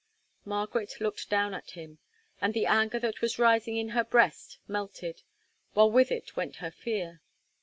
Margaret looked down at him, and the anger that was rising in her breast melted, while with it went her fear.